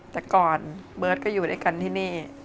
แต่ก่อนเบิร์ตก็อยู่ด้วยกันที่นี่